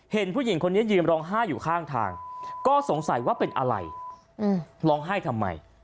เห็นผู้หญิงคนนี้ยืนร้องไห้อยู่ข้างทางก็สงสัยว่าเป็นอะไรร้องไห้ทำไม